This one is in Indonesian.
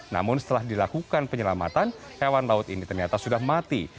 namun setelah dilakukan penyelamatan hewan laut ini ternyata sudah mati